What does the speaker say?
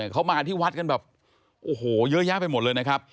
เขามาที่วัดกันแบบโอ้โหเยอะแยะไปหมดเลยนะครับ